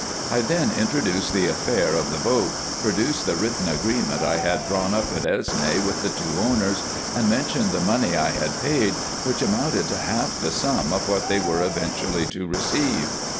I then introduced the affair of the boat, produced the written agreement I had drawn up at Esne with the two owners, and mentioned the money I had paid, which amounted to half the sum of what they were eventually to receive.